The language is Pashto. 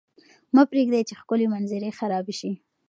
مه پرېږدئ چې ښکلې منظرې خرابې شي.